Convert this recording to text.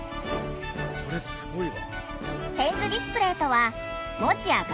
これすごいわ。